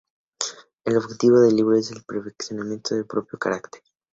El objetivo del libro es el perfeccionamiento del propio carácter.